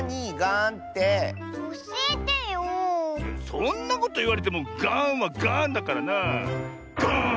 そんなこといわれてもガーンはガーンだからなあ。ガーン！